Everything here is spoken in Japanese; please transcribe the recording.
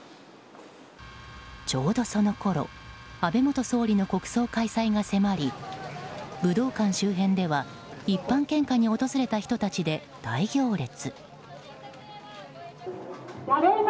ちょうどそのころ安倍元総理の国葬開催が迫り武道館周辺では一般献花に訪れた人たちで大行列。